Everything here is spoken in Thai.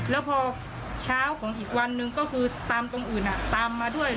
แล้วพอเช้าของอีกวันหนึ่งก็คือตามตรงอื่นตามมาด้วย